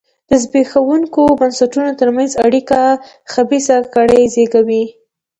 د زبېښونکو بنسټونو ترمنځ اړیکه خبیثه کړۍ زېږوي.